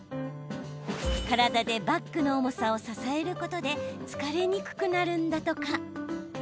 体でバッグの重さを支えることで疲れにくくなるんだとか。